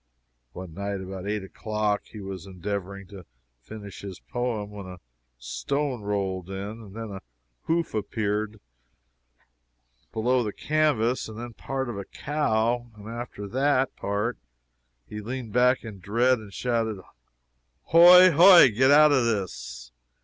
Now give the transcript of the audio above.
One night about eight o'clock he was endeavoring to finish his poem, when a stone rolled in then a hoof appeared below the canvas then part of a cow the after part. He leaned back in dread, and shouted "Hooy! hooy! get out of this!"